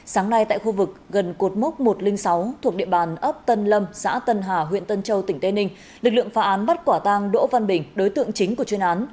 sáng nay tại khu vực gần cột mốc một trăm linh sáu thuộc địa bàn ấp tân lâm xã tân hà huyện tân châu tỉnh tây ninh lực lượng phá án bắt quả tang đỗ văn bình đối tượng chính của chuyên án